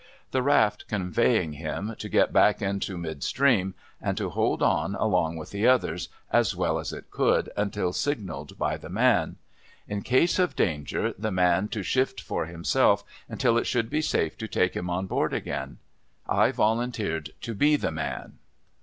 The raft conveying him, to get back into mid stream, and to hold on along with the Other, as well as it could, until signalled by the man. In case of 174 TKRILS OF CERTAIN ENfiLISH PRISONERS danger, the man to shift for himself until it should be safe to take him on' board asj^ain. I volunteered to be the man.